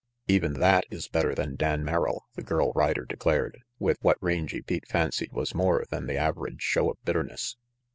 "Even that is better than Dan Merrill," the girl rider declared, with what Rangy Pete fancied was more than the average show of bitterness.